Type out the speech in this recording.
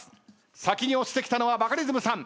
先に押してきたのはバカリズムさん。